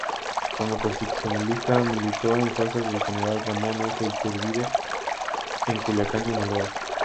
Como constitucionalista, militó en las fuerzas del general Ramón F. Iturbe en Culiacán, Sinaloa.